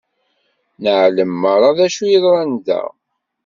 Neɛlem merra d acu yeḍran da.